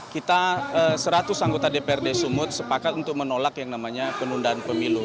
kita seratus anggota dprd sumut sepakat untuk menolak yang namanya penundaan pemilu